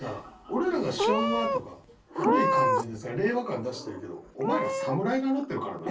俺らが昭和とか古い感じでさ令和感出してるけどお前ら侍名乗ってるからな。